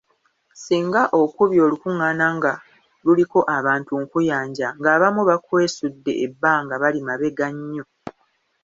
Singa okubye olukungaana nga luliko abantu nkuyanja ng’abamu bakwesudde ebbanga bali mabega nnyo.